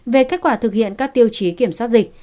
về kết quả thực hiện các tiêu chí kiểm soát dịch